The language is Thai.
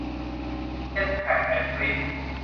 เอส แพ็ค แอนด์ พริ้นท์